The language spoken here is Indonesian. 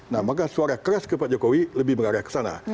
nah maka suara keras ke pak jokowi lebih mengarah ke sana